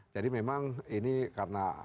jadi memang ini karena